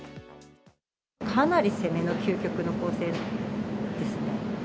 かなり攻めの究極の構成ですね。